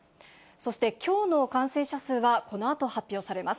そしてきょうの感染者数はこのあと発表されます。